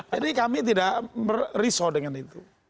jadi kami tidak meriso dengan itu